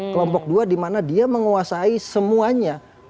kelompok dua dimana dia menguasai semuanya